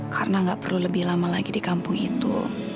karena gak perlu lebih lama lagi di kampung itu